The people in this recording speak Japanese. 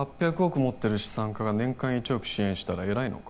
持ってる資産家が年間１億支援したら偉いのか？